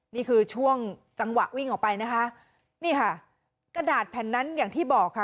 นี่คือช่วงจังหวะวิ่งออกไปนะคะนี่ค่ะกระดาษแผ่นนั้นอย่างที่บอกค่ะ